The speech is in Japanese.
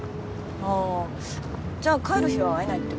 ああじゃ帰る日は会えないってこと？